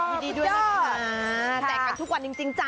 ยินดีดีด้วยแจกกันทุกวันจริงจ้ะ